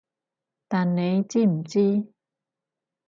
但你知唔知？